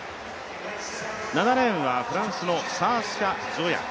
７レーンはフランスのサーシャ・ゾヤ。